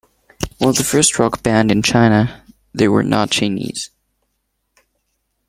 While the first rock band in China, they were not Chinese.